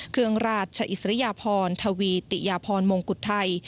เครื่องราชอิสริยพรทวีติยาพรมงกุฏไทย